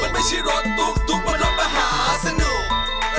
มันไม่ใช่รถตุ๊กบนรถมหาสนุก